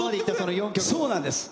そうなんです。